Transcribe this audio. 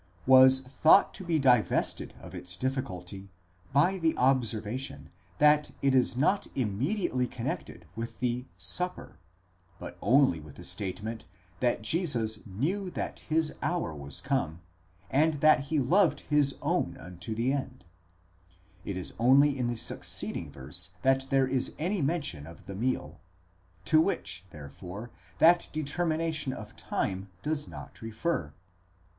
1), was thought to be divested of its difficulty by the observation that it is not immediately connected with the supper δεῖπνον, but only with the statement that Jesus knew that his hour was come, and that he loved his own unto the end; it is only in the succeeding verse that there is any mention of the meal, to which therefore that determin ation of time does not refer.